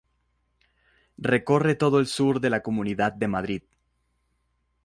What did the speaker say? Recorre todo el sur de la Comunidad de Madrid.